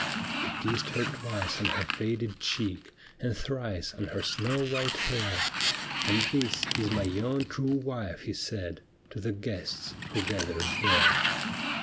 He kissed her twice on her faded cheek And thrice on her snow white hair, ' And this is my own true wife,' he said. To the guests who gathered there.